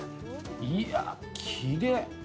いやあ、きれい。